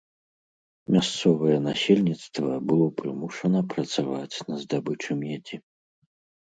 Мясцовае насельніцтва было прымушана працаваць на здабычы медзі.